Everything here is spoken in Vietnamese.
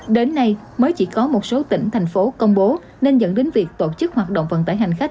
đến nay mới chỉ có một số tỉnh thành phố công bố nên dẫn đến việc tổ chức hoạt động vận tải hành khách